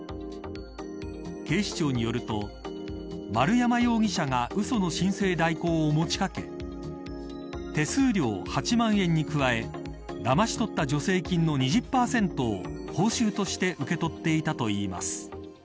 警視庁によると丸山容疑者がうその申請代行を持ちかけ手数料８万円に加えだまし取った助成金の２０％を報酬として受け取っていたといいます。